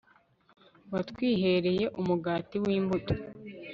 watwihereye, umugati w'imbuto